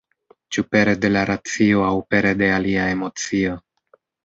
Ĉu pere de la racio aŭ pere de alia emocio?